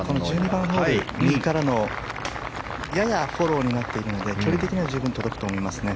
１２番ホール右からのややフォローになっているので距離的には十分届くと思いますね。